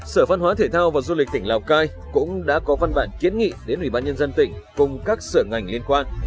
sở văn hóa thể thao và du lịch tỉnh lào cai cũng đã có văn bản kiến nghị đến ubnd tỉnh cùng các sở ngành liên quan